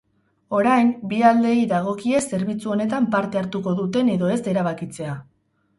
Orain, bi aldeei dagokie zerbitzu honetan parte hartuko duten edo ez erabakitzea.